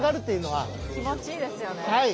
はい。